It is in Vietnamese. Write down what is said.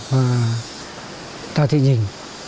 và tòa thị nhìn